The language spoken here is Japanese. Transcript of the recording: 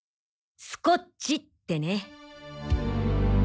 スコッチってね！